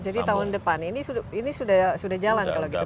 jadi tahun depan ini sudah jalan kalau gitu